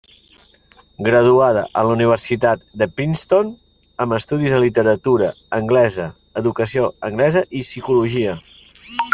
Graduada en la Universitat de Princeton, amb estudis de literatura anglesa, educació anglesa i psicologia.